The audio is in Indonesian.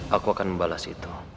aku akan membalas itu